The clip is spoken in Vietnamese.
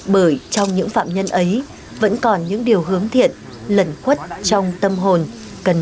bởi trong những phạm nhân ấy vẫn còn những điều hướng thiện lẩn khuất trong tâm hồn cần đến các anh